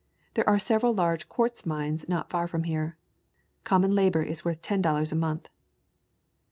There are several large quartz mills not far from here. Common labor is worth ten dollars a month.